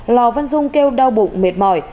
lò văn dung kêu đau bụng mệt mỏi